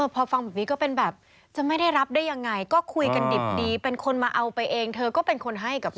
พอฟังแบบนี้ก็เป็นแบบจะไม่ได้รับได้ยังไงก็คุยกันดิบดีเป็นคนมาเอาไปเองเธอก็เป็นคนให้กับ